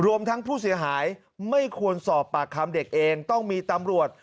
รวมทั้งผู้เสียหายไม่ควรสอบปากคำเด็กเองต้องมีตำรวจ